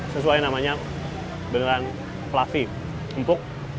sesuai namanya dengan fluffy empuk